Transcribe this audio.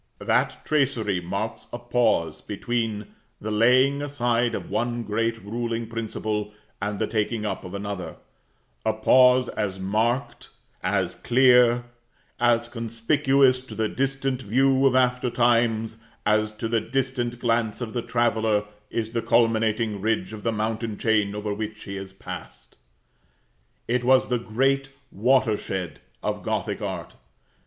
That tracery marks a pause between the laying aside of one great ruling principle, and the taking up of another; a pause as marked, as clear, as conspicuous to the distant view of after times, as to the distant glance of the traveller is the culminating ridge of the mountain chain over which he has passed. It was the great watershed of Gothic art.